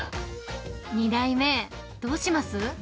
２代目、どうします？